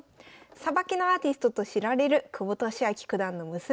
「さばきのアーティスト」と知られる久保利明九段の娘さん